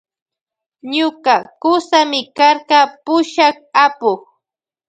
Ñuka kusami karka pushak apuk.